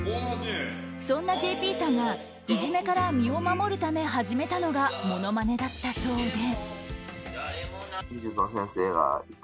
そんなＪＰさんがいじめから身を守るため始めたのがものまねだったそうで。